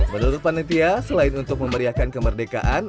menurut panitia selain untuk memeriahkan kemerdekaan